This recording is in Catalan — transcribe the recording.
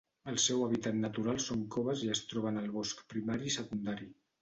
El seu hàbitat natural són coves i es troba en el bosc primari i secundari.